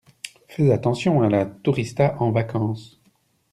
Fais attention à la tourista en vacances.